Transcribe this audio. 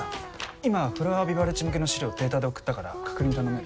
今フラワービバレッジ向けの資料データで送ったから確認頼める？